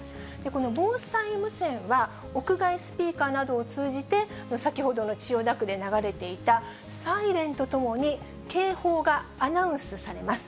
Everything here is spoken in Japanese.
この防災無線は、屋外スピーカーなどを通じて、先ほどの千代田区で流れていたサイレンとともに、警報がアナウンスされます。